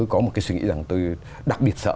có một cái suy nghĩ rằng tôi đặc biệt sợ